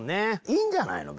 いいんじゃないの？